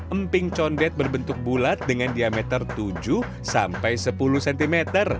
emping condet berbentuk bulat dengan diameter tujuh sampai sepuluh cm